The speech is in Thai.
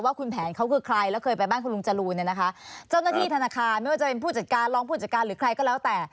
คุณแผนเขาคือใครแล้วเคยไปบ้านคุณลุงจรูนเนี่ยนะคะเจ้าหน้าที่ธนาคารไม่ว่าจะเป็นผู้จัดการรองผู้จัดการหรือใครก็แล้วแต่